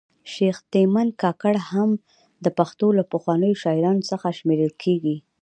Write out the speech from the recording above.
شیخ تیمن کاکړ هم د پښتو له پخوانیو شاعرانو څخه شمېرل کیږي